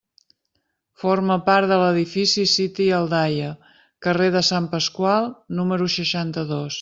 Forma part de l'edifici siti a Aldaia, carrer de Sant Pasqual, número seixanta-dos.